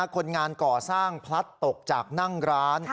คนงานก่อสร้างพลัดตกจากนั่งร้าน